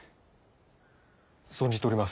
存じております。